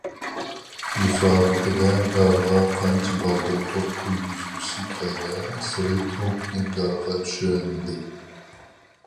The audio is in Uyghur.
مۇسابىقىدە گارغا قانچە بالدۇر توپ كىرگۈزگۈسى كەلگەنسېرى توپنى گارغا چۈشۈرەلمىدى.